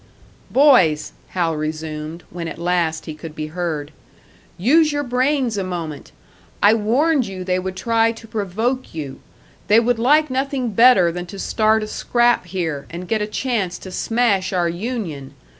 "Boys," Hal resumed, when at last he could be heard, "use your brains a moment. I warned you they would try to provoke you! They would like nothing better than to start a scrap here, and get a chance to smash our union!